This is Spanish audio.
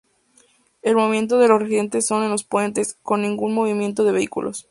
El movimiento de los residentes son en los puentes, con ningún movimiento de vehículos.